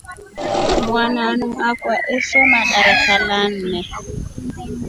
Mwananu akwa esoma darasa la nne.